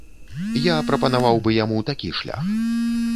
Я прапанаваў бы яму такі шлях.